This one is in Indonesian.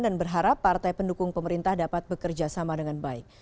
dan berharap partai pendukung pemerintah dapat bekerja sama dengan baik